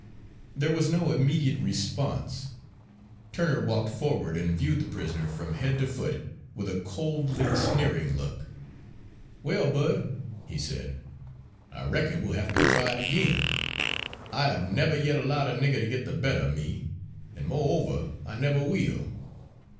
There was no immediate response. Turner walked forward and viewed the prisoner from head to foot with a coldly sneering look. "Well, Bud," he said, "I reckon we'll hafter try it ag'in. I have never yet allowed a nigger to git the better o' me, an', moreover, I never will.